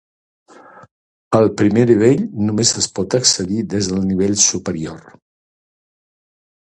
Al primer nivell només es pot accedir des del nivell superior.